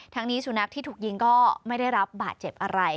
นี้สุนัขที่ถูกยิงก็ไม่ได้รับบาดเจ็บอะไร